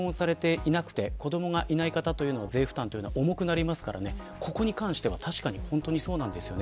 当然、結婚されていなくて子どもがいない方は税負担が重くなりますからここに関しては本当にそうなんですよね。